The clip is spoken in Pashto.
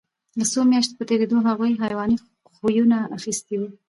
د څو میاشتو په تېرېدو هغوی حیواني خویونه اخیستي وو